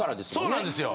そうなんですよ。